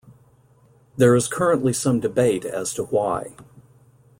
There is currently some debate as to why.